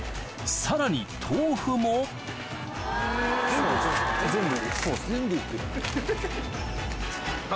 ・さらに豆腐も全部。